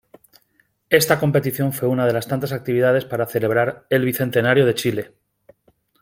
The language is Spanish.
Esta competición fue una de las tantas actividades para celebrar el Bicentenario de Chile.